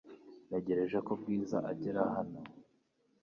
Ntegereje ko Bwiza agera hano .